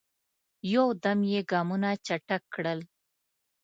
یو دم یې ګامونه چټک کړل.